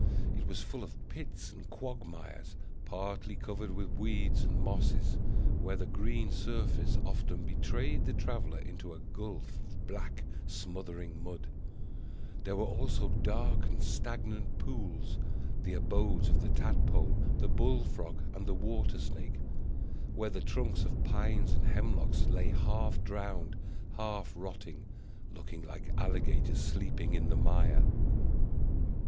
It was full of pits and quagmires, partly covered with weeds and mosses, where the green surface often betrayed the traveller into a gulf of black, smothering mud; there were also dark and stagnant pools, the abodes of the tadpole, the bull frog, and the water snake, where the trunks of pines and hemlocks lay half drowned, half rotting, looking like alligators sleeping in the mire.